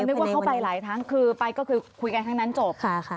อ๋อนึกว่าเขาไปหลายทั้งคือไปก็คือคุยกันทั้งนั้นจบค่ะค่ะ